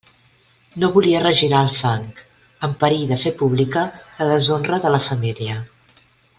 No volia regirar el fang, amb perill de fer pública la deshonra de la família.